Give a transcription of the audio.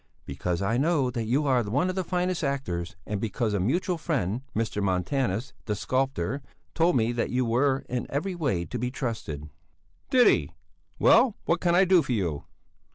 "Because I know that you are one of our finest actors and because a mutual friend, Mr. Montanus, the sculptor, told me that you were in every way to be trusted." "Did he? Well, what can I do for you?"